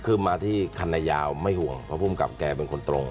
คือมาที่คณะยาวไม่ห่วงเพราะภูมิกับแกเป็นคนตรง